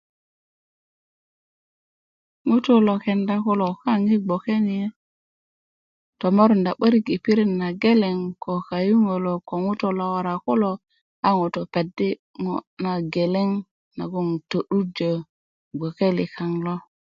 ŋutuu lo kenda kulo kaŋ yi gboke ni tomorunda 'börik pirit nageleŋ ko kayuŋölök ko ŋutuu lo wora kulo a ŋutu' pedi' ŋo na geleŋ nagoŋ to'durjö gboke likaŋ lo